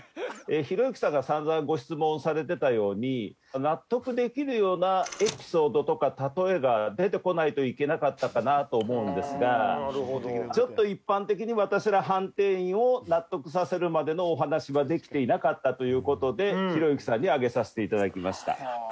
ひろゆきさんが散々ご質問をされてたように納得できるようなエピソードとか例えが出てこないといけなかったかなと思うんですがちょっと一般的に私ら判定員を納得させるまでのお話はできていなかったという事でひろゆきさんに上げさせていただきました。